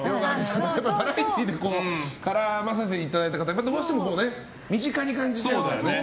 バラエティーで絡ませていただいた方はどうしても身近に感じちゃうから。